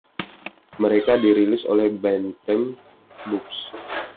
Mereka dirilis oleh Bantam Books.